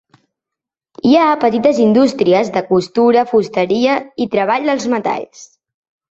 Hi ha petites indústries de costura, fusteria i treball dels metalls.